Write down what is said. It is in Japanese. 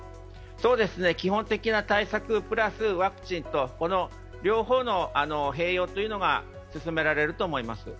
そうですね、基本的な対策プラス、ワクチンと両方の併用というのが進められると思います。